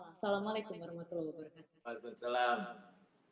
assalamualaikum warahmatullahi wabarakatuh